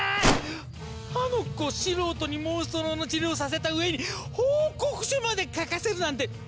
あの子素人にモンストロの治療をさせた上に報告書まで書かせるなんて！